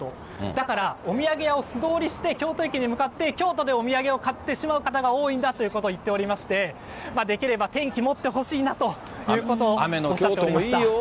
だから、お土産屋を素通りして京都駅に向かって、京都でお土産を買ってしまう方が多いんだということを言っておりまして、できれば天気もってほしいなということをおっしゃっていました。